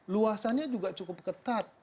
luasannya juga cukup ketat